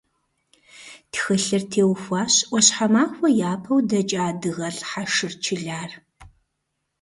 Тхылъыр теухуащ Ӏуащхьэмахуэ япэу дэкӀа адыгэлӀ Хьэшыр Чылар.